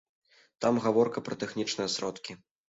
Там гаворка пра тэхнічныя сродкі.